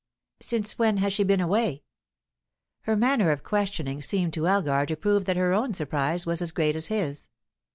"Since when has she been away?" Her manner of questioning seemed to Elgar to prove that her own surprise was as great as his.